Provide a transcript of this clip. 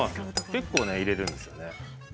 結構入れるんですね。